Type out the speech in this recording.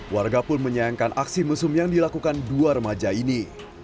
warga pun menyayangkan aksi mesum yang dilakukan dua remaja ini